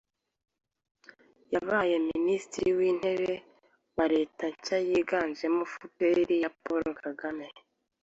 yabaye minisitiri w'intebe wa leta nshya yiganjemo fpr ya paul kagame,